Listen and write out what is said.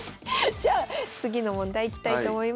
じゃあ次の問題いきたいと思います。